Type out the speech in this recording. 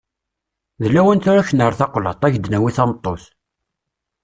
D lawan tura ad k-nerr taqlaḍt, ad k-d-nawi tameṭṭut.